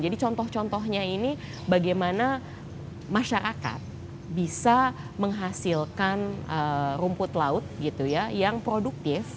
jadi contoh contohnya ini bagaimana masyarakat bisa menghasilkan rumput laut yang produktif